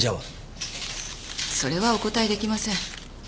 それはお答え出来ません。